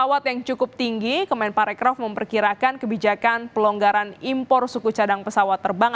pesawat yang cukup tinggi kemenparekraf memperkirakan kebijakan pelonggaran impor suku cadang pesawat terbang